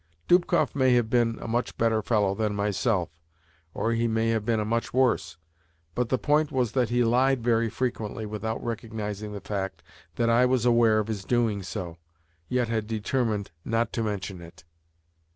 Dubkoff may have been a much better fellow than myself, or he may have been a much worse; but the point was that he lied very frequently without recognising the fact that I was aware of his doing so, yet had determined not to mention it.